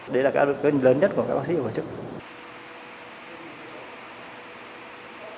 đấy là cái áp lực lớn nhất của các bác sĩ của trường